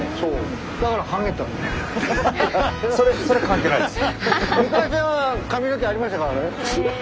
それ関係ないです。